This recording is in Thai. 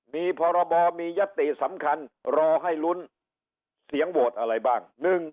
มีพรบมียติสำคัญรอให้ลุ้นเสียงโหวตอะไรบ้าง